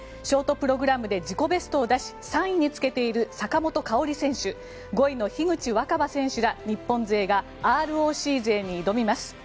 ショートプログラムで自己ベストを出し３位につけている坂本花織選手５位の樋口新葉選手ら日本勢がＲＯＣ勢に挑みます。